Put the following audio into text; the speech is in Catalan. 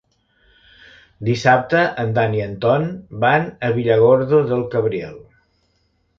Dissabte en Dan i en Ton van a Villargordo del Cabriel.